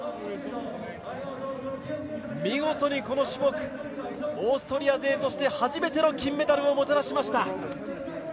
見事に、この種目オーストリア勢として初めての金メダルをもたらしました。